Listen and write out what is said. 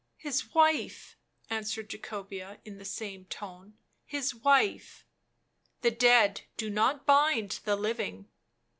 " His wife," answered Jacobea in the same tone ;" his wife." " The dead do not bind the living."